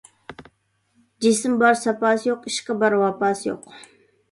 جىسمى بار ساپاسى يوق، ئىشقى بار ۋاپاسى يوق.